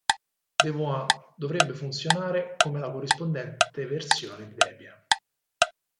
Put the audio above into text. Devuan dovrebbe funzionare come la corrispondente versione di Debian.